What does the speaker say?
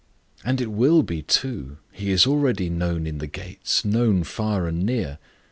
"And it will be too. He is already 'known in the gates'; known far and near.